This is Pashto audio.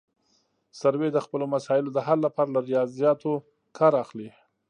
سروې د خپلو مسایلو د حل لپاره له ریاضیاتو کار اخلي